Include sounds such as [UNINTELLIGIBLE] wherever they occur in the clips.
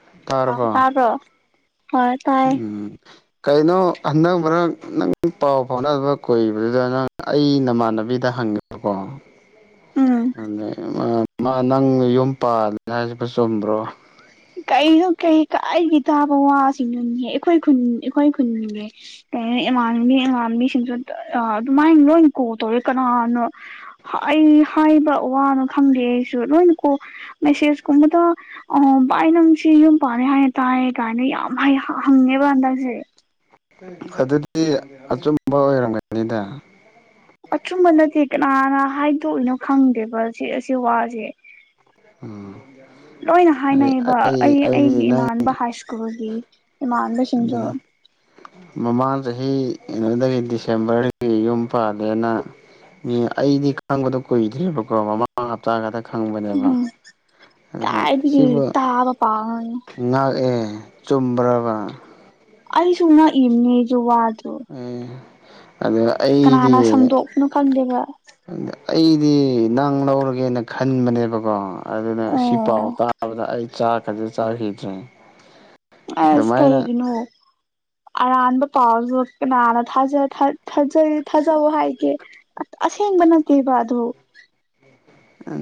ꯑ ꯑ ꯇꯔꯣ ꯍꯣꯏ ꯇꯥꯏ ꯎꯝ ꯀꯩꯅꯣ ꯍꯟꯗꯛ ꯃꯔꯛ ꯅꯪ ꯄꯥꯎ ꯐꯥꯎꯅꯅꯕ ꯀꯨꯏꯕꯗꯨꯗ ꯅꯪ ꯑꯩ ꯅꯃꯥꯟꯅꯕꯤꯗ ꯈꯪꯔꯀꯣ ꯎꯝ ꯅꯪ ꯌꯨꯝ ꯄꯥꯜꯂ ꯍꯥꯏꯁꯤꯕ ꯆꯨꯝꯕ꯭ꯔꯣ ꯀꯁꯨꯣ ꯀꯔꯤ ꯀꯥꯏꯒꯤ ꯇꯥꯕ ꯋꯥꯁꯤꯡꯅꯣꯅꯤꯍꯦ ꯑꯩꯈꯣꯏ ꯈꯨ ꯑꯩꯈꯣꯏ ꯈꯨꯟꯅꯦꯦ ꯀꯩꯅꯣ ꯏꯃꯥꯟꯕꯤ ꯏꯃꯥꯟꯕꯤꯁꯤꯡꯁꯨ ꯑꯗꯨꯃꯥꯏꯅ ꯂꯣꯏ ꯀꯣ ꯇꯧꯋꯦ ꯀꯅꯥꯅꯣ ꯑꯩ ꯍꯥꯏꯕ ꯋꯥꯅ ꯈꯪꯗꯦ ꯑꯩꯁꯨ ꯂꯣꯏꯅ ꯀꯣ ꯃꯦꯁꯦꯁ ꯀꯨꯝꯕꯗ ꯑ ꯚꯥꯏ ꯅꯨꯡꯁꯤ ꯌꯨꯝ ꯄꯥꯅꯤ ꯍꯥꯏꯌꯦ ꯇꯥꯏ ꯀꯥꯏꯅ ꯌꯥꯝ ꯍꯪꯉꯦꯕ ꯍꯟꯗꯛꯁꯦ ꯑꯗꯨꯗꯤ ꯑꯆꯨꯝꯕ ꯑꯣꯏꯔꯝꯒꯅꯤꯗ ꯑꯆꯨꯝꯕ ꯅꯠꯇꯦ ꯀꯅꯥꯅ ꯍꯥꯏꯗꯣꯛꯏꯅꯣ ꯈꯪꯗꯦꯕ ꯁꯤ ꯑꯁꯤ ꯋꯥꯁꯦ ꯎꯝ ꯂꯣꯏꯅ ꯍꯥꯏꯅꯩꯌꯦꯕ ꯑꯩ ꯑꯩꯗꯤ ꯑꯩꯒꯤ ꯅꯪ ꯏꯃꯅꯕ ꯍꯥꯏ ꯁ꯭ꯀꯨꯜꯒꯤ ꯏꯃꯥꯟꯅꯕꯁꯤꯡꯖꯨ ꯃꯃꯥꯡ ꯆꯍꯤ ꯀꯩꯅꯣꯗꯒꯤ ꯗꯤꯁꯦꯝꯕꯔꯗꯒꯤ ꯌꯨꯝ ꯄꯥꯜꯂꯦꯅ ꯃꯤ ꯑꯩꯗꯤ ꯈꯪꯕꯗꯣ ꯀꯨꯏꯗ꯭ꯔꯤꯕꯀꯣ ꯃꯃꯥꯡ ꯍꯞꯇꯥ ꯈꯛꯇ ꯈꯪꯕꯅꯦꯕ ꯎꯝ ꯑꯗ ꯀꯥꯏꯗꯒꯤ ꯁꯤꯕꯨ ꯇꯥꯕ ꯄꯥꯉꯅꯤ ꯉꯥꯛꯑꯦ ꯆꯨꯝꯕ꯭ꯔꯕ ꯑꯩꯁꯨꯨ ꯅ ꯏꯅꯤꯁꯨ ꯋꯥꯗ ꯑꯦ ꯑꯗ ꯑꯩꯗꯤ ꯁꯝꯗꯣꯛꯄꯅꯣ ꯈꯪꯗꯦꯕ ꯑꯩꯗꯤ ꯅꯪ ꯂꯧꯔꯒꯦꯅ ꯈꯟꯕꯅꯦꯕꯀꯣ ꯑꯗꯨꯅ ꯁꯤ ꯄꯥꯎ ꯑꯣ ꯇꯥꯕꯗ ꯑꯩ ꯆꯥ ꯈꯗꯤ ꯆꯥꯈꯤꯗ꯭ꯔꯦ ꯑꯁ ꯑꯗꯨꯃꯥꯏꯅ ꯀꯩꯒꯤꯅꯣ ꯑꯔꯥꯟꯕ ꯄꯥꯎꯁꯨ ꯀꯅꯥꯅ ꯊꯥꯖ ꯊꯥꯖꯩ ꯊꯥꯖꯋ ꯍꯥꯏꯒꯦꯁ ꯍꯦꯡ ꯅꯥꯇꯤꯕ ꯑꯗꯨ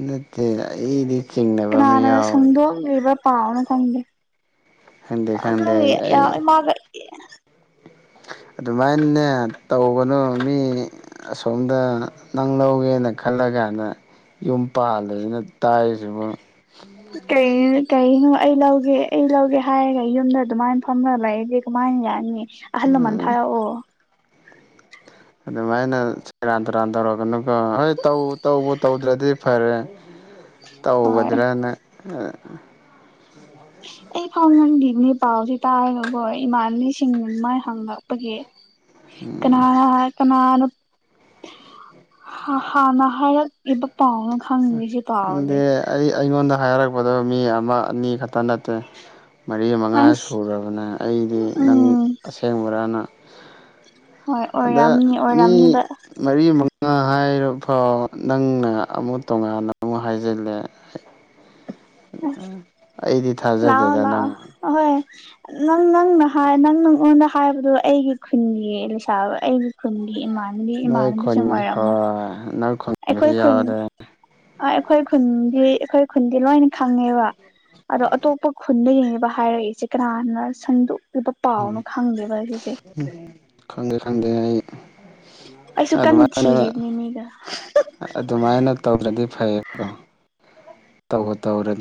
ꯅꯠꯇꯦ ꯑꯩꯗꯤ ꯆꯤꯡꯅꯕ ꯑꯃ ꯀꯅꯥꯅꯅ ꯌꯥꯎꯋꯤ ꯁꯗꯣ ꯂꯩꯕ ꯄꯥꯥꯎꯅ ꯀꯗꯦ ꯈꯪꯗꯦ ꯑ ꯈꯪꯗꯦ ꯌꯥ ꯑꯩ ꯃꯥꯒ [INAUDIBLE] ꯑꯗꯨꯃꯥꯏꯅꯦ ꯇꯧꯧꯕꯅꯨ ꯃꯤ ꯑꯁꯣꯝꯗ ꯅꯪ ꯂꯧꯒꯦꯅ ꯈꯜꯂꯒ ꯀꯥꯏꯅ ꯌꯨꯝ ꯄꯥꯜꯂꯦꯁꯤꯅ ꯇꯥꯏꯁꯤꯕꯨ ꯀꯣ ꯑꯩ ꯂꯧꯒꯦ ꯑꯩ ꯂꯧꯒꯦ ꯍꯥꯏꯔꯒ ꯌꯨꯝꯗ ꯑꯗꯨꯃꯥꯏꯅ ꯐꯝꯝꯕꯒ ꯂꯩꯒꯦ ꯀꯃꯥꯏ ꯌꯥ ꯌꯥꯅꯤ ꯑꯍꯜꯂꯃꯥꯟ ꯊꯥꯔꯛꯑꯣ ꯑꯗꯨꯃꯥꯏꯅ ꯁꯦꯔꯥꯟ ꯇꯨꯔꯥꯟ ꯇꯧꯔꯒꯅꯀ ꯍꯣꯏ ꯇꯧ ꯇꯧꯕ ꯇꯧꯗ꯭ꯔꯗꯤ ꯐꯔꯦ ꯍꯣꯏ ꯇꯧꯒꯗ꯭ꯔꯅ [UNINTELLIGIBLE] ꯑꯩ ꯐꯥꯎ ꯉꯟꯗꯤꯅꯤ ꯄꯥꯎꯁꯤ ꯇꯥꯔꯒꯀꯣ ꯏꯃꯥꯟꯕꯤꯁꯤꯡꯅ ꯃꯥꯏ ꯍꯥꯡꯪꯂꯛꯄꯒꯤ ꯀꯅꯥꯔ ꯀꯅꯥꯅꯣ ꯍꯥ ꯍꯥꯥꯟꯅ ꯍꯥꯏꯔꯛꯏꯕ ꯄꯥꯎꯅꯣ ꯈꯪꯗꯦ ꯁꯤ ꯄꯥꯎꯁꯦ ꯈꯪꯗꯦ ꯑꯩ ꯑꯩꯉꯣꯟꯗ ꯍꯥꯏꯔꯛꯄꯗꯣ ꯃꯤ ꯑꯃ ꯑꯅꯤ ꯈꯛꯇ ꯅꯠꯇꯦ ꯃꯔꯤ ꯃꯉꯥ ꯑꯁ ꯁꯨꯔꯕꯅꯦ ꯑꯩꯗꯤ ꯅꯪ ꯎꯝ ꯑꯁꯦꯡꯕꯔꯅ ꯍꯣꯏ ꯑꯗ ꯑꯣꯏꯔꯝꯅꯤ ꯃꯤ ꯑꯣꯏꯔꯝꯅꯤꯕ ꯃꯔꯤ ꯃꯛ ꯅ ꯍꯥꯏꯔ ꯐꯥꯎ ꯅꯪꯅ ꯑꯃꯨꯛ ꯇꯣꯉꯥꯟꯅ ꯑꯃꯨꯛ ꯍꯥꯏꯖꯤꯜꯂꯦ ꯑꯁ ꯑꯩꯗꯤ ꯂꯑꯣ ꯊꯥꯖꯗꯦꯗ ꯅꯪ ꯂꯑꯣ ꯑꯍꯣꯏ ꯅꯪ ꯅꯪꯅ ꯍꯥꯏ ꯅꯪ ꯅꯉꯣꯟꯗ ꯍꯥꯏꯕꯗꯨꯣ ꯑꯩꯒꯤ ꯈꯨꯟꯒꯤ ꯂꯩꯁꯥꯕ ꯑꯩꯒꯤ ꯈꯨꯟꯒꯤ ꯏꯃꯥ ꯅꯣꯏ ꯈꯨꯟ ꯏꯃꯥꯟꯅꯕꯤꯁꯤꯡ ꯑꯣꯏꯔꯝꯃꯣꯏ ꯍꯣꯏ ꯅꯣꯏ ꯈꯨꯟꯒꯁꯨ ꯑꯩꯈꯣꯏ ꯈꯨꯟ ꯌꯥꯎꯔꯦ ꯑ ꯑꯩꯈꯣꯏ ꯈꯨꯟꯗꯤ ꯑꯩꯈꯣꯏ ꯈꯨꯟꯗꯤ ꯂꯣꯏꯅ ꯈꯪꯉꯦꯕ ꯑꯗꯣ ꯑꯇꯣꯞꯄ ꯈꯨꯟꯗ ꯌꯦꯡꯉꯕ ꯍꯥꯏꯔꯛꯏꯁꯦ ꯀꯅꯥꯅ ꯁꯟꯗꯣꯛ ꯄ ꯎꯝ ꯄꯥꯎꯅꯦ ꯈꯪꯗꯔꯦꯕ ꯁꯤꯁꯦ ꯈꯪꯗꯦ ꯈꯪꯗꯦ ꯑꯩ ꯑꯩꯁꯨ ꯀꯟꯅ ꯑꯗꯨꯃꯥꯏꯅ ꯊꯤꯔꯤꯕꯅꯤ ꯃꯤꯗꯣ ꯑꯗꯨꯃꯥꯏꯅ ꯇꯧꯗ꯭ꯔꯗꯤ ꯐꯩꯌꯦ ꯀꯣ ꯇꯧꯕ ꯇꯧꯔ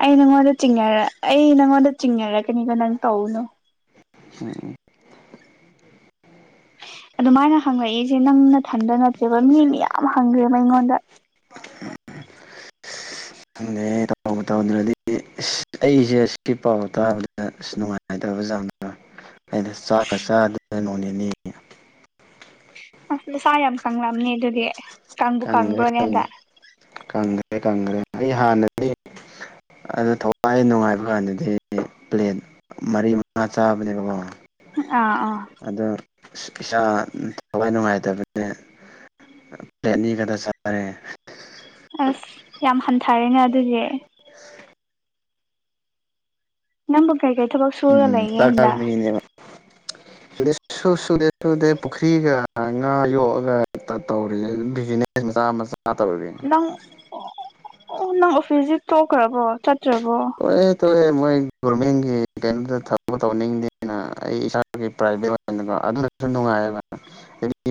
ꯑꯩ ꯅꯪꯉꯣꯟꯗ ꯆꯤꯡꯅꯔꯛ ꯑꯩ ꯅꯉꯣꯟꯗ ꯆꯤꯡꯅꯔꯛꯀꯅꯤꯀꯣ ꯅꯪ ꯇꯧꯅꯨ ꯎ ꯎꯝ [INAUDIBLE] ꯑꯗꯨꯃꯥꯏꯅ ꯍꯪꯉꯛꯏꯁꯦ ꯅꯪ ꯅꯊꯟꯗ ꯅꯠꯇꯦꯕ ꯃꯤ ꯃꯌꯥꯝ ꯍꯪꯒꯔꯦꯕ ꯑꯩꯉꯣꯟꯗ ꯇ ꯇꯧꯗ꯭ꯔꯗꯤ ꯑ ꯑꯩꯁꯦ ꯑꯀꯤ ꯄꯥꯎ ꯇꯥꯕꯗ ꯑꯁ ꯅꯨꯡꯉꯥꯏꯅ ꯇꯧ ꯩꯅ ꯆꯥꯛꯀ ꯆꯥ ꯑꯗꯨꯗ ꯅꯣꯡꯅꯦꯅꯤꯅꯤ [UNINTELLIGIBLE] ꯅꯁꯥ ꯌꯥꯝ ꯀꯪꯂꯝꯅꯤ ꯑꯗꯨꯗꯤ ꯀꯪꯕꯨ ꯀꯪ꯭ꯒꯔꯦ ꯀꯪꯕ꯭ꯔꯣꯅꯦ ꯀꯪ ꯍꯟꯗꯛ ꯀꯪ꯭ꯒꯔꯦ ꯀꯪ꯭ꯒꯔꯦ ꯑꯩ ꯍꯥꯟꯅꯗꯤ ꯑꯗꯣ ꯊꯋꯥꯏ ꯅꯨꯡꯉꯥꯏꯕ ꯀꯥꯟꯗꯗꯤ ꯄ꯭ꯂꯦꯠ ꯃꯔꯤ ꯃꯉꯥ ꯆꯥꯕꯅꯦꯕꯀꯣ ꯑꯥ ꯑꯥ ꯑꯗ ꯏꯁꯥ ꯄꯩꯁꯥ ꯊꯋꯥꯏ ꯅꯨꯡꯉꯥꯏꯇꯕꯅꯦ ꯔꯦꯠꯅꯤꯒꯗ ꯆꯔꯦ ꯑꯁ ꯌꯥꯝ ꯍꯟꯊꯔꯦꯅꯥ ꯑꯗꯨꯗꯤ ꯅꯝꯕꯨ ꯀꯩ ꯀꯩ ꯊꯥꯕꯛ ꯁꯨꯔ ꯎꯝ ꯂꯩꯒꯦ ꯆꯥꯛ ꯆꯥꯕ ꯍꯥꯟꯗꯛ ꯃꯤꯅꯦꯕ ꯁꯨ ꯁꯨꯗꯦ ꯁꯨꯗꯦ ꯄꯨꯈ꯭ꯔꯤꯒ ꯉꯥ ꯌꯣꯛꯑꯒ ꯇꯧꯔꯤ ꯕꯤꯅꯦ ꯃꯆꯥ ꯃꯆꯥ ꯇꯧꯔꯤ ꯅꯪ ꯑꯣ ꯅꯪ ꯑꯣꯐꯤꯁꯁꯤꯦ ꯇꯈ꯭ꯔꯕꯣ ꯆꯠꯇ꯭ꯔꯕꯣ ꯇꯑꯦ ꯃꯣꯏ ꯒꯣꯔꯃꯦꯟꯒꯤ ꯀꯩꯅꯣꯗ ꯊꯕꯛ ꯇꯧꯅꯤꯡꯗꯦꯅ ꯑꯩ ꯏꯁꯥꯒꯤ ꯄ꯭ꯔꯥꯏꯚꯦꯠ ꯑꯣꯏꯅ ꯑꯣꯏꯅꯀꯣ ꯑꯗꯨꯗꯁꯨ ꯅꯨꯡꯉꯥꯏꯌꯦꯕ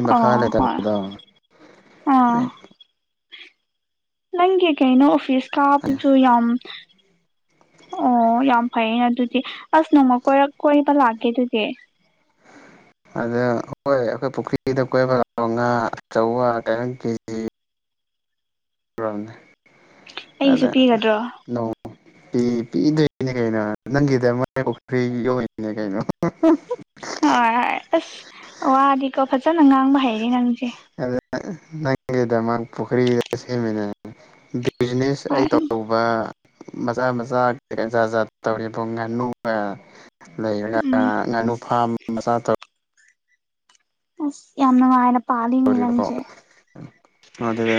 ꯃꯈꯥ ꯑꯣ ꯍꯣꯏ ꯂꯩꯇꯕꯗ ꯑꯥ ꯅꯪꯒꯤ ꯀꯩꯅꯣ ꯑꯣꯐꯤꯁ ꯀꯕꯗꯨ ꯌꯥꯝ ꯑꯣ ꯌꯥꯝ ꯐꯩꯌꯦꯅ ꯑꯗꯨꯗꯤ ꯑꯁ ꯅꯣꯡꯃ ꯀꯣꯏꯔꯛ ꯀꯣꯏꯕ ꯂꯥꯛꯀꯦ ꯑꯗꯨꯗꯤ ꯑꯗꯨ ꯍꯣꯏ ꯑꯩꯈꯣꯏ ꯄꯨꯈ꯭ꯔꯤꯗ ꯀꯣꯏꯕ ꯂꯥꯛꯑꯣ ꯉꯥ ꯑꯆꯥꯎꯕ [UNINTELLIGIBLE] ꯀꯦꯖꯤ [UNINTELLIGIBLE] ꯑꯩꯒꯤꯁꯨ ꯑꯗ ꯄꯤꯒꯗ꯭ꯔꯣ ꯅꯣ ꯄꯤ ꯄꯤꯗꯣꯏꯅꯦ ꯀꯩꯅꯣ ꯅꯪꯒꯤꯗ ꯃ ꯄꯨꯈ꯭ꯔꯤ ꯌꯧꯏꯅꯦ ꯀꯩꯅꯣ ꯍꯣꯏ ꯍꯣꯏ ꯑꯁ ꯋꯥꯗꯤꯀꯣ ꯐꯖꯅ ꯉꯥꯡꯕ ꯍꯩꯔꯦ ꯅꯪꯁꯦ ꯑꯗꯨꯗ ꯅꯪꯒꯤꯗꯃꯛ ꯄꯨꯈ꯭ꯔꯤꯗ ꯁꯦꯝꯃꯤꯟꯅ ꯕꯤꯖꯤꯅꯦꯁ ꯑꯩ ꯍꯣꯏ ꯇꯧꯕ ꯃꯆꯥ ꯃꯆꯥ ꯖꯥꯠ ꯖꯥꯠ ꯇꯧꯔꯦꯕ ꯉꯥꯅꯨ [UNINTELLIGIBLE] ꯂꯩꯔ ꯎꯝ ꯉꯥꯅꯨ ꯐꯥꯝ ꯃꯆꯥ ꯇꯧ ꯑꯁ ꯌꯥꯝ ꯅꯨꯡꯉꯥꯏꯅ ꯄꯥꯂꯤ ꯇꯧꯔꯤꯕꯀꯣ ꯃꯤꯅꯪꯁꯦ ꯑꯗꯨꯗ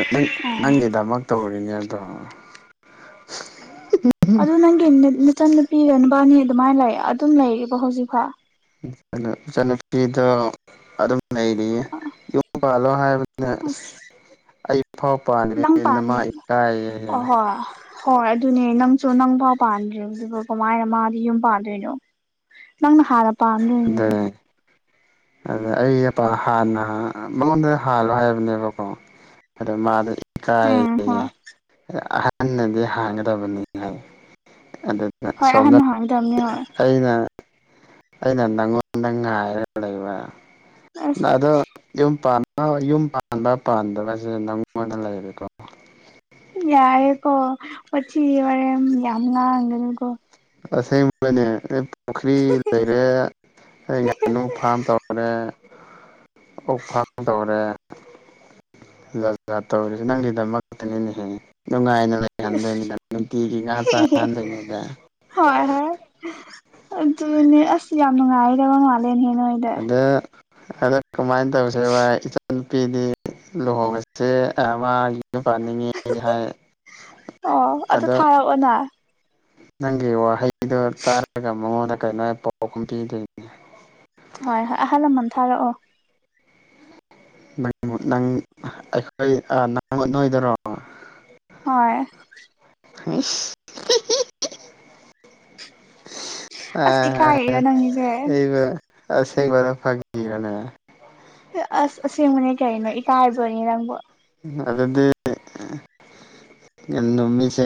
ꯅꯪꯒꯤꯗꯃꯛ ꯇꯧꯔꯤꯅꯦ ꯑꯗꯣ ꯑꯗꯨ ꯅꯪꯒꯤ ꯅꯆ ꯅꯨꯄꯤꯒ ꯅꯨꯄꯥꯅꯤ ꯑꯗꯨꯃꯥꯏꯅ ꯂꯩ ꯑꯗꯨꯝ ꯂꯩꯔꯤꯕꯣ ꯍꯧꯖꯤꯛꯐꯥꯎ ꯏꯆꯟꯅꯨꯄꯤꯗꯣ ꯑꯗꯨꯝ ꯂꯩꯔꯤꯌꯦ ꯌꯨꯝ ꯄꯥꯜꯂꯣ ꯍꯥꯏꯕꯅ ꯑꯁ ꯑꯩ ꯐꯥꯎ ꯄꯥꯈꯦ ꯅꯪ ꯄꯥꯟ ꯅꯃꯥ ꯏꯀꯥꯏꯌꯦ ꯑꯍꯣꯏ ꯍꯣꯏ ꯑꯗꯨꯅꯦ ꯅꯪꯁꯨ ꯅꯪ ꯄꯥꯎ ꯄꯥꯟꯗ꯭ꯔꯤꯕꯗꯨ ꯀꯃꯥꯏꯅ ꯃꯥꯗꯤ ꯌꯨꯝ ꯄꯥꯟꯗꯣꯏꯅꯣ ꯅꯪꯅ ꯍꯥꯟꯅ ꯄꯥꯝꯗꯣꯏꯅꯦ ꯑꯗꯨꯅꯦ ꯑꯗ ꯑꯩ ꯑ ꯍꯥꯟꯅ ꯃꯉꯣꯟꯗ ꯍꯥꯜꯂꯣ ꯍꯥꯏꯕꯅꯦꯕꯀꯣ ꯑꯗꯣ ꯃꯥꯗ ꯀꯥꯏ ꯎꯝ ꯍꯣꯏ ꯑꯍꯟꯅꯗꯤ ꯍꯥꯡꯒꯗꯕꯅꯤ ꯍꯥꯏ ꯑꯗꯨꯗꯨꯅ ꯍꯣꯏ ꯁꯣꯝꯗ ꯑꯍꯟꯅ ꯍꯥꯡꯒꯗꯕꯅꯤ ꯍꯣꯏ ꯑꯩꯅ ꯑꯉꯣꯥꯏꯔ ꯂꯩꯕ ꯑꯁ ꯑꯗ ꯌꯨꯝ ꯄꯥꯟ ꯌꯨꯝ ꯄꯥꯟꯕ ꯄꯥꯟꯗꯕꯁꯦ ꯅꯪꯉꯣꯟꯗ ꯂꯩꯔꯦꯀꯣ ꯌꯥꯔꯦ ꯀꯣ ꯄ ꯋꯥꯔꯦ ꯌꯥꯝ ꯉꯒꯦꯅꯤ ꯀꯣ ꯑꯁꯦꯡꯕꯅꯦ ꯑꯩ ꯄꯨꯈ꯭ꯔꯤ ꯂꯩꯔꯦ ꯑꯩ ꯉꯥꯅꯨ ꯐꯥꯝ ꯇꯧꯔꯦ ꯑꯣꯐꯐꯥꯜ ꯇꯧꯔ ꯖꯥꯖꯥ ꯇꯧꯔꯤꯁꯦ ꯅꯪꯒꯤꯗꯃꯛꯇꯅꯤꯅ ꯍꯦꯉꯤ ꯅꯨꯡꯉꯥꯏꯅ ꯂꯩꯍꯟꯗꯣꯏꯅꯤꯗ ꯅꯨꯡꯇꯤꯒꯤ ꯉꯥ ꯆꯥꯍꯟꯗꯣꯏꯅꯤꯗ ꯍꯣꯏ ꯍꯣꯏ ꯑꯗꯨꯅꯦ ꯑꯁ ꯌꯥꯝ ꯅꯨꯡꯉꯥꯏꯗꯕ ꯃꯥꯜꯂꯦ ꯦꯟꯅꯣꯣꯏꯗ ꯑꯗꯣ ꯀꯃꯥꯏꯅ ꯇꯧꯁꯦ ꯚ ꯏꯆꯟꯅꯨꯄꯤꯗꯤ ꯂꯨꯍꯣꯡꯕꯁꯦ ꯄꯥꯅꯤꯡꯉꯦ ꯍꯥꯏ ꯑꯣ ꯑꯗꯨ ꯑꯗꯣ ꯊꯥꯔꯛꯑꯣꯅ ꯅꯪꯒꯤ ꯋꯥꯍꯩꯗꯨꯣ ꯇꯥꯔꯒ ꯃꯉꯣꯟꯗ ꯀꯩꯅꯣ ꯄꯥꯎꯒꯨꯝ ꯄꯤꯗꯣꯏꯅꯦ ꯍꯣꯏ ꯑꯍꯜ ꯂꯃꯟ ꯊꯥꯔꯛꯑꯣ ꯅꯪ ꯅꯪ ꯑꯩꯈꯣꯏ ꯅꯪ ꯅꯣꯏꯗꯔꯣ ꯍꯣꯏ ꯍ ꯑ ꯑꯁ ꯏꯀꯥꯏꯔꯤꯔꯣ ꯅꯪꯒꯤꯁꯦ ꯑꯩꯕꯨ ꯔꯦ ꯐꯒꯤꯔꯅꯦ ꯑꯁ ꯑꯁꯦꯡꯕꯅꯦ ꯀꯅꯣ ꯏꯀꯥꯏꯗꯅꯦ ꯅꯪꯕꯨ ꯑꯗꯤ ꯅꯨꯃꯤꯠꯁꯦ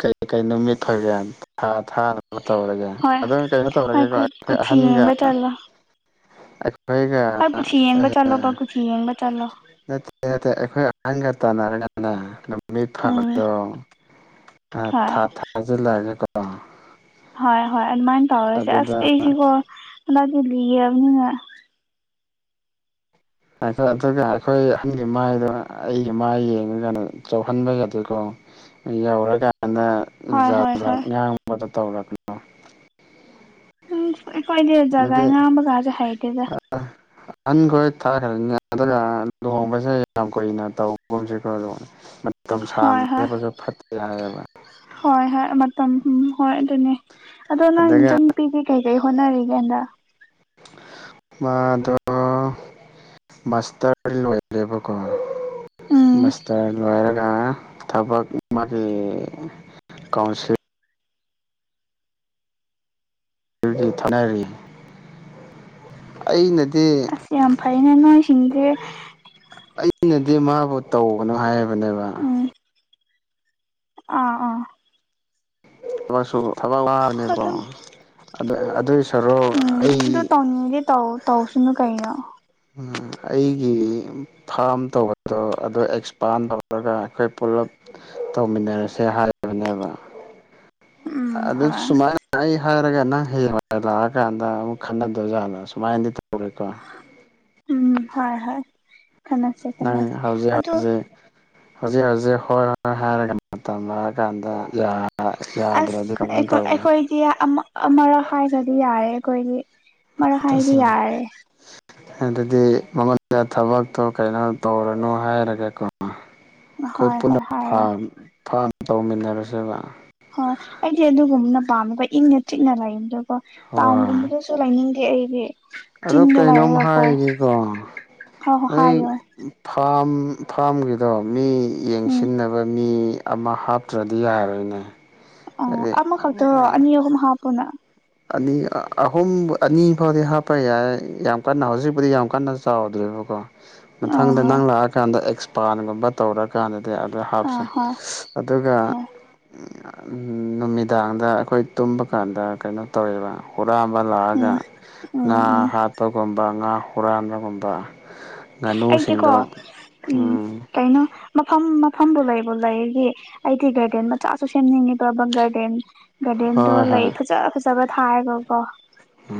ꯀꯩꯀꯩ ꯅꯨꯃꯤꯠ ꯐꯒꯦ ꯊꯥ ꯊꯥꯅ ꯇꯧꯔꯒꯦ ꯍꯣꯏ ꯑꯗꯨ ꯀꯩꯅꯣ ꯍꯣꯏ ꯇꯧꯔꯒꯦꯀꯣ ꯑꯩꯈꯣꯏ ꯀꯨꯊꯤ ꯑꯍꯟꯒ ꯌꯦꯡꯕ ꯆꯠꯂꯣ ꯀꯩꯒ ꯍꯣꯏ ꯀꯨꯊꯤ ꯌꯦꯡꯕ ꯆꯠꯂꯣꯕ ꯀꯨꯊꯤ ꯌꯦꯡꯕ ꯆꯠꯂꯣ ꯅ ꯍꯪ ꯇ ꯅꯔꯅ ꯃꯤ ꯎꯝ ꯐꯕꯗꯣ ꯍꯣꯏ ꯊꯥ ꯊꯥꯖꯤꯜꯂꯛꯑꯒꯦꯀꯣ ꯍꯣꯏ ꯍꯣꯏ ꯑꯗꯨꯃꯥꯏꯅ ꯇꯧꯔꯁꯦ ꯑꯁ ꯑꯩꯁꯤꯕꯣ ꯍꯟꯗꯗꯤ ꯂꯤꯌꯦꯕꯅꯤꯅ ꯑꯗꯨꯒ ꯑꯩꯈꯣꯏ ꯑꯍꯟꯒꯤ ꯃꯥꯏꯗꯣ ꯑꯩꯒꯤ ꯃꯥꯏ ꯌꯦꯡꯉꯒꯥꯟꯗ ꯆꯥꯎꯍꯟꯕ ꯌꯥꯗꯦꯀꯣ ꯑ ꯌꯥꯎꯔꯒ ꯅ ꯍꯣꯏ ꯍꯣꯏ ꯖꯥꯠꯖꯥꯠ ꯍꯣꯏ ꯉꯥꯡꯕꯗ ꯇꯧꯔꯛꯅꯨ ꯎꯝ ꯑꯩꯈꯣꯏꯗꯤ ꯖꯒꯥ ꯑꯗꯤ ꯉꯥꯡꯕꯒꯁꯦ ꯍꯩꯇꯦꯗ ꯑ ꯑꯟ ꯈꯔ ꯊꯥ ꯈꯔꯅꯤ ꯑꯗꯨꯒ ꯂꯨꯍꯣꯡꯕꯁꯦ ꯌꯥꯝ ꯀꯨꯏꯅ ꯇꯧꯕꯒꯨꯝꯁꯀꯣꯨ ꯍ ꯍ ꯍꯥꯏꯌꯦꯕ ꯍ ꯍ ꯍꯣꯏ ꯑꯗꯨꯅꯦ ꯑꯗꯣ ꯅꯪ ꯑꯗꯨꯒ ꯏꯟꯇꯔ ꯅꯨꯄꯤꯒ ꯀꯩꯀꯩ ꯍꯣꯠꯅꯔꯤꯒꯦꯗ ꯃꯥꯗ ꯃꯥꯁꯇꯔ ꯎꯝ ꯂꯣꯏꯔꯦꯕꯀꯣꯁꯇꯔ ꯂꯣꯏꯔ ꯊꯕꯛ ꯃꯥꯒꯤ ꯀꯥꯎꯟꯁꯤꯜ ꯔꯤ ꯑꯩꯅꯗꯤ ꯑꯁꯤꯁ ꯌꯥꯝ ꯐꯥꯏꯅꯦ ꯅꯣꯏ ꯁꯤꯗꯦ ꯑꯩꯅꯗꯤ ꯃꯥꯕꯨ ꯇꯧꯕꯅꯣ ꯍꯥꯏꯕꯅꯦꯕ ꯎꯝ ꯑꯥ ꯑꯥ ꯑꯥꯏ ꯁ ꯊꯕꯛ ꯋꯥꯕꯅꯦꯀꯣ ꯑꯗꯨꯝ ꯑꯗꯨꯏ ꯁꯔꯨꯛ ꯑꯩ ꯇꯧꯁ ꯀꯩꯩꯅ ꯑꯩꯒꯤ ꯐꯥꯝ ꯇꯧꯕꯗꯣ ꯑꯗꯨꯗ ꯑꯦꯛꯁꯄꯥꯟ ꯇꯧꯔꯒ ꯑꯩꯈꯣꯏ ꯄꯨꯂꯞ ꯇꯧꯃꯤꯟꯅꯔꯁꯦ ꯍꯥꯏꯔꯤꯕꯅꯦꯕ [INAUDIBLE] ꯑꯗꯨ ꯍꯣꯏ ꯁꯨꯃꯥꯏꯅ ꯑꯩ ꯍꯥꯏꯔꯒ ꯪ ꯍ ꯂꯥꯛꯑꯀꯥꯟꯗ ꯑꯃꯨꯛ ꯈꯟꯅꯗꯧꯖꯥꯠꯂꯣ ꯁꯨꯃꯥꯏꯅꯗꯤ ꯇꯧꯔꯦꯀꯣ ꯎꯝ ꯍꯣꯏ ꯍꯣꯏ ꯀꯁꯦ ꯅꯪ ꯀꯅꯁꯦ ꯍꯧꯖꯤꯛ ꯑꯗꯨꯗꯣ ꯍꯧꯖꯤꯛ ꯍꯧꯖꯤꯛ ꯍꯧꯖꯤꯛ ꯍꯣꯏ ꯍꯣꯏ ꯍꯥꯏꯔꯒ ꯇꯝꯂꯑ ꯀꯥꯟꯗ ꯌꯥ ꯑꯁ ꯑꯩꯣꯏ ꯑꯩꯈꯣꯏꯗꯤ ꯑꯃ ꯑꯃꯔ ꯍꯥꯏꯥꯏ ꯍꯥꯏ ꯌꯥꯔꯦ ꯑꯩꯣꯏꯗꯤ ꯃꯔ ꯍꯥꯏꯔꯤ ꯇꯁꯦꯡ ꯌꯥꯔꯦ ꯑꯗꯨꯗꯤ ꯃꯉꯣꯟꯗ ꯊꯕꯛꯇꯣ ꯀꯩꯅꯣ ꯇꯧꯔꯅꯨ ꯍꯥꯏꯔꯒꯦ ꯀꯣꯃ ꯑꯩꯈꯣꯏ ꯍꯣꯏ ꯄꯨꯟꯅ ꯍꯣꯏ ꯍꯥꯏꯔꯣ ꯐꯥ ꯇꯧꯃꯤꯟꯅꯔꯁꯦꯕ ꯍꯣꯏ ꯑꯩꯗꯤ ꯑꯗꯨꯒꯨꯝꯕꯅ ꯄꯥꯝꯃꯦꯀꯣ ꯏꯪꯅ ꯆꯤꯛꯅ ꯂꯩ ꯑꯗꯨꯒꯀꯣ ꯇꯥꯎꯟꯒꯨꯝꯕꯗꯁꯨ ꯂꯩꯅꯤ ꯑꯣ ꯎ ꯑ ꯀꯩꯅꯣꯝ ꯍꯥꯏꯒꯀꯣ ꯍꯣꯏ ꯍꯣꯏ ꯃꯣꯏ ꯍꯥꯏꯌꯣ ꯐꯥꯔꯝ ꯐꯥꯝꯒꯤꯗꯣ ꯃꯤ ꯎꯝ ꯌꯦꯡꯁꯤꯟꯅꯕ ꯃꯤ ꯑꯃ ꯍꯥꯞꯇ꯭ꯔꯗꯤ ꯌꯥꯔꯣꯏꯅꯦ ꯑꯣ ꯍꯥꯏꯗꯤ ꯑꯃꯃ ꯈꯛꯇ ꯑꯅꯤ ꯑꯍꯨꯝ ꯍꯥꯞꯄꯅ ꯑꯅꯤ ꯑꯍꯨꯝ ꯑꯅꯤ ꯐꯥꯎꯗꯤ ꯍꯥꯞꯄ ꯌꯥꯏ ꯌꯥꯝ ꯀꯟꯅ ꯍꯧꯖꯤꯛꯄꯨꯗꯤ ꯌꯥꯝ ꯀꯟꯅ ꯆꯥꯎꯗ꯭ꯔꯦꯕꯀꯣ ꯑ ꯃꯊꯪꯗ ꯍꯣꯏ ꯅꯪ ꯂꯥꯛꯑꯀꯥꯟꯗ ꯑꯦꯛꯁꯄꯥꯟꯒꯨꯝꯕ ꯇꯧꯔꯀꯥꯟꯗ ꯗꯤ ꯑꯗꯨ ꯑ ꯍꯥꯞꯁꯦ ꯍꯣꯏ ꯑꯗꯨꯒ ꯍꯣꯏ ꯅꯨꯃꯤꯗꯥꯡꯗ ꯑꯩꯈꯣꯏ ꯇꯨꯝꯕ ꯀꯥꯟꯗ ꯀꯩꯅꯣ ꯇꯧꯋꯦꯕ ꯍꯨꯔꯥꯟꯕ ꯂꯥꯛꯑꯒ ꯎꯝ ꯉꯥ ꯎꯝ ꯎꯝ ꯍꯥꯠꯄꯒꯨꯝꯕ ꯉꯥ ꯍꯨꯔꯥꯟꯕꯒꯨꯝꯕ ꯑꯩꯗꯤꯀꯣ ꯉꯥꯅꯨꯁꯤꯡꯗꯣ ꯎꯝ ꯀꯩꯅꯣ ꯃꯐꯝ ꯃꯐꯝꯗꯨ ꯂꯩꯕꯨ ꯂꯩꯒꯤ ꯑꯩꯗꯤ ꯒꯥꯔꯗꯦꯟ ꯃꯆꯥꯁꯨ ꯁꯦꯝꯅꯤꯡꯉꯤ ꯄ꯭ꯔꯕ ꯒꯥꯔꯗꯦꯟ ꯒꯥꯔꯗꯦꯟꯗꯣ ꯍꯣꯏ ꯂꯩ ꯐꯖ ꯐꯖꯕ ꯊꯥꯏꯔꯒ ꯀꯣ ꯎ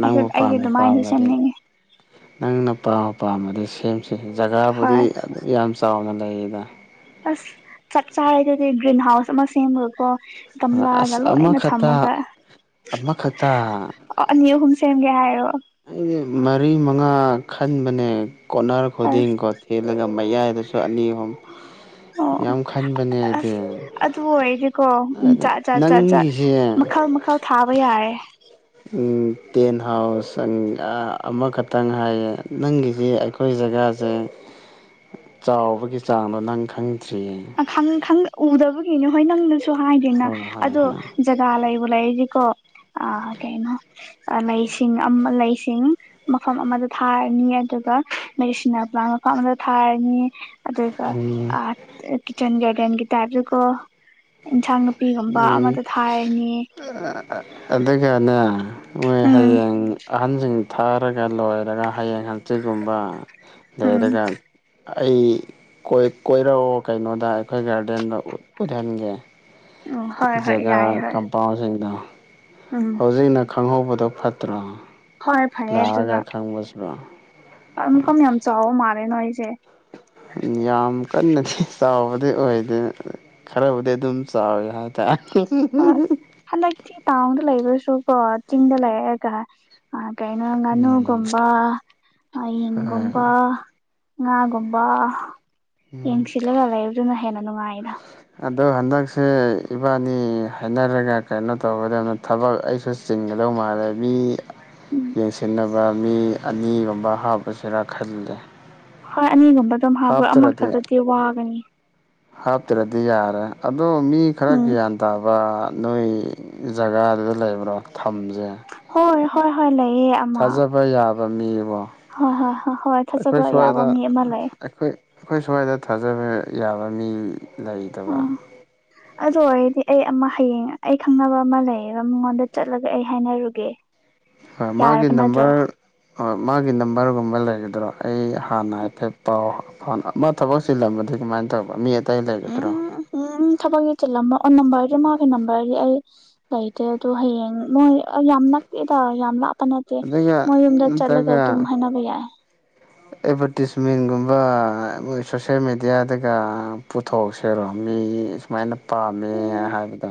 ꯅꯪꯕꯨ ꯄꯥꯝꯕ ꯑꯗꯨꯃꯥꯏꯅꯁꯨ ꯄꯥꯝꯃꯗꯤ ꯁꯦꯝꯅꯤꯡꯉꯦ ꯅꯪꯅ ꯄꯥ ꯑꯄꯥꯝꯕꯗꯤ ꯁꯦꯝꯁ ꯍꯣꯏ ꯖꯒꯥꯕꯨꯗꯤ ꯑꯗꯨꯛ ꯌꯥꯝ ꯆꯥꯎꯅ ꯂꯩꯌꯦꯗ ꯑꯁ ꯆꯞ ꯆꯥꯔꯦꯗꯨꯗꯤ ꯒ꯭ꯔꯤꯟ ꯍꯥꯎꯁ ꯑꯃ ꯁꯦꯝꯕꯀꯣ ꯒꯝꯂꯥꯒ ꯑꯁ ꯂꯣꯏꯅ ꯑꯃꯈꯛꯇ ꯊꯝꯃꯒ ꯑꯃꯈꯛꯇ ꯑꯅꯤ ꯑꯍꯨꯝ ꯁꯦꯝꯒꯦ ꯍꯥꯏꯔꯣ ꯑꯩꯗꯤ ꯃꯔꯤ ꯃꯉꯥ ꯈꯟꯕꯅꯦ ꯀꯣꯅꯔ ꯑꯁ ꯈꯨꯗꯤꯡꯀꯣ ꯊꯦꯜꯂꯒ ꯃꯌꯥꯏꯗꯁꯨ ꯑꯅꯤ ꯑꯍꯨꯝ ꯑꯣ ꯌꯥꯝ ꯈꯟꯕꯅꯦꯗꯤ ꯑꯁ ꯑꯗꯨ ꯑꯣꯏꯔꯗꯤꯀꯣ ꯖꯥꯠ ꯖꯥꯠ ꯖꯥꯠ ꯖꯥꯠ ꯅꯪꯒꯤꯁꯦ ꯃꯈꯜ ꯃꯈꯜ ꯊꯥꯕ ꯌꯥꯔꯦ ꯇꯦꯟ ꯍꯥꯎꯁ ꯑꯃꯈꯛꯇꯪ ꯍꯥꯏꯌꯦ ꯅꯪꯒꯤꯁꯤ ꯑꯩꯈꯣꯏꯖ ꯑꯗꯨꯒꯖꯥꯁꯦ [INAUDIBLE] ꯆꯥꯎꯕꯒꯤ ꯆꯥꯡꯗꯣ ꯅꯪ ꯈꯪ ꯑ ꯈꯪ ꯈꯪ ꯎꯗꯕ ꯏꯅꯦ ꯍꯣꯏ ꯅꯪꯅꯁꯨ ꯍꯥꯏꯗꯦꯅ ꯍꯣꯏ ꯍꯣꯏ ꯑꯗꯣ ꯍꯣꯏ ꯖꯒꯥ ꯂꯩꯕ ꯂꯩꯔꯤꯁꯤꯀꯣ ꯑ ꯀꯩꯅꯣ ꯂꯩꯁꯤꯡ ꯂꯩꯁꯤꯡ ꯃꯐꯝ ꯑꯃꯗ ꯊꯥꯔꯅꯤ ꯑꯗꯨꯒ ꯃ ꯁꯤꯅꯥꯄ꯭ꯂꯥꯟ ꯃꯐꯝ ꯑꯃꯗ ꯊꯥꯔꯅꯤ ꯑꯗꯨꯒ ꯎꯝ ꯀꯤꯠꯆꯟ ꯒꯥꯔꯗꯦꯟꯒꯤꯇꯥ ꯑꯗꯨꯒ ꯏꯟꯁꯥꯡ ꯄꯤꯒꯨꯝꯕ ꯎꯝ ꯑꯃꯗ ꯊꯥꯔꯅꯤ ꯑꯗꯨꯒꯅꯦ ꯃꯣꯏ ꯎꯝ ꯍꯌꯦꯡ ꯑꯍꯟꯁꯤꯡ ꯊꯥꯔꯒ ꯂꯣꯏꯔꯒ ꯍꯌꯦꯡ ꯍꯪꯆꯤꯒꯨꯝꯕ ꯎꯝ ꯂꯩꯔꯒ ꯑꯩ ꯀꯣꯏꯔꯛꯑꯣ ꯀꯩꯅꯣꯗ ꯑꯩꯈꯣꯏ ꯒꯥꯔꯗꯦꯟꯗ ꯎꯠꯍꯟꯒꯦ ꯎꯝ ꯍꯣꯏ ꯍꯣꯏ ꯖꯒꯥ ꯌꯥꯏ ꯍꯣꯏ ꯀꯝꯄꯥꯎꯟꯁꯤꯡꯗꯣ ꯎꯝ ꯍꯧꯖꯤꯛꯅ ꯈꯪꯍꯧꯕꯗꯣ ꯐꯠꯇ꯭ꯔꯣ ꯍꯣꯏ ꯂꯥꯛꯑꯒ ꯈꯪꯕꯁꯕ ꯀꯝ ꯌꯥꯝ ꯆꯥꯎꯕ ꯃꯥꯜꯂꯦꯅꯣ ꯑꯩꯁꯦ ꯌꯥꯝ ꯀꯟꯅꯗꯤ ꯆꯥꯎꯕꯗꯤ ꯑꯣꯏꯗꯦ ꯈꯔꯕꯨꯗꯤ ꯑꯗꯨꯝ ꯆꯥꯎꯋꯦ ꯍꯥꯏꯇꯥꯔꯦ ꯍꯣꯏ ꯍꯟꯗꯛꯇꯤ ꯇꯥꯎꯟꯗ ꯂꯩꯕ꯭ꯔꯁꯨ ꯀꯣ ꯆꯤꯡꯗ ꯂꯩꯔꯑꯒ ꯀꯩꯅꯣ ꯎꯝ ꯉꯥꯅꯨꯒꯨꯝꯕ ꯍꯣꯏ ꯑꯌꯟꯒꯨꯝꯕ ꯉꯥꯒꯨꯝꯕ ꯎꯝ ꯌꯦꯡꯁꯤꯜꯂꯒ ꯂꯩꯕꯗꯨꯅ ꯍꯦꯟꯅ ꯅꯨꯡꯉꯥꯏꯅ ꯑꯗꯣ ꯍꯟꯗꯛꯁꯦ ꯏꯕꯥꯅꯤ ꯍꯥꯏꯅꯔꯒ ꯀꯩꯅꯣ ꯇꯧꯒꯗꯕꯅ ꯊꯕꯛ ꯑꯩꯁꯨ ꯆꯤꯡꯒꯗꯧꯕ ꯃꯥꯔꯕꯤ ꯎꯝ ꯌꯦꯡꯁꯤꯟꯅꯕ ꯃꯤ ꯑꯅꯤꯒꯨꯝꯕ ꯍꯥꯞꯄꯁꯤꯔ ꯈꯜꯂꯦ ꯍꯣꯏ ꯑꯅꯤꯒꯨꯝꯕ ꯑꯗꯨꯝ ꯍꯥꯞꯄ꯭ꯔꯣ ꯍꯥꯞꯇ꯭ꯔꯗꯤ ꯑꯃꯈꯛꯇꯗꯤ ꯋꯥꯒꯅꯤ ꯍꯥꯞꯇ꯭ꯔꯗꯤ ꯌꯥꯔꯦ ꯑꯗꯣ ꯃꯤ ꯈꯔ ꯎꯝ ꯒ꯭ꯌꯥꯟ ꯇꯥꯕ ꯅꯣꯏ ꯖꯒꯥꯗꯨꯗ ꯂꯩꯕ꯭ꯔꯣ ꯊꯝꯁꯦ ꯍꯣꯏ ꯍꯣꯏ ꯍꯣꯏ ꯂꯩꯑ ꯑꯃ ꯊꯥꯖꯕ ꯌꯥꯕ ꯃꯤꯕꯣ ꯍ ꯍꯣꯏ ꯍꯣꯏ ꯑꯩꯈꯣꯏ ꯊꯥꯖꯕ ꯌꯥꯕ ꯃꯤ ꯑꯃ ꯂꯩ ꯁ꯭ꯋꯥꯏꯗꯈꯣꯏ ꯑꯩꯈꯣꯏ ꯁ꯭ꯋꯥꯏꯗ ꯊꯥꯖꯕ ꯌꯥꯕ ꯃꯤ ꯂꯩꯇꯕ ꯎꯝ ꯑꯗꯨ ꯑꯣꯏꯔꯗꯤ ꯑꯩ ꯑꯃ ꯍꯌꯦꯡ ꯑꯩ ꯈꯪꯅꯕ ꯑꯃ ꯂꯩꯌꯦꯕ ꯃꯤꯉꯣꯟꯗ ꯆꯠꯂꯒ ꯑꯩ ꯍꯥꯏꯅꯔꯨꯒꯦ ꯍꯣꯏ ꯃꯥꯒꯤ ꯌꯥꯔꯕ ꯅꯠꯇ꯭ꯔꯣ ꯅꯝꯕꯔ ꯍꯣꯏ ꯃꯥꯒꯤ ꯅꯝꯕꯔꯒꯨꯝꯕ ꯂꯩꯒꯗ꯭ꯔꯣ ꯑꯩ ꯍꯥꯟꯅ ꯍꯥꯏꯐꯦꯠ ꯄꯥꯎ ꯐ ꯃꯥ ꯊꯕꯛ ꯆꯤꯜꯂꯝꯕꯗꯤ ꯀꯃꯥꯏꯅ ꯇꯧꯕ ꯃꯤ ꯑꯇꯩ ꯂꯩꯒꯗ꯭ꯔꯣ ꯎꯝ ꯎꯝ ꯊꯕꯛ ꯌꯦ ꯆꯤꯜꯂꯝꯃ ꯑꯣ ꯅꯝꯕꯔꯗꯤ ꯃꯥꯒꯤ ꯅꯝꯕꯔꯗꯤ ꯑꯩ ꯂꯩꯇꯦ ꯑ ꯑꯗꯨꯣ ꯍꯌꯦꯡ ꯅꯣꯏ ꯌꯥꯝꯅꯗ ꯌꯥꯝꯅ ꯀ ꯅꯠꯇꯦ ꯑꯗꯨꯒ ꯃꯣꯏ ꯌꯨꯝꯗ ꯆꯠꯂꯒ ꯑꯗꯨꯝ ꯍꯥꯏꯅꯕ ꯌꯥꯏ ꯑꯦꯠꯚꯔꯇꯤꯁꯃꯦꯟꯒꯨꯝꯕ ꯃꯣꯏ ꯁꯣꯁꯦꯜ ꯃꯦꯗꯤꯌꯥꯗꯒ ꯄꯨꯊꯣꯛꯁꯦꯔꯣꯑꯝꯃꯤ ꯑꯩ ꯁꯨꯃꯥꯏꯅ ꯄꯥꯝꯃꯦ ꯎꯝ ꯍꯥꯏꯕꯗꯣ